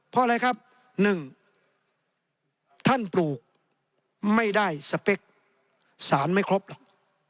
เพราะอะไรครับ๑ท่านปลูกไม่ได้สเปคสารไม่ครบหรอก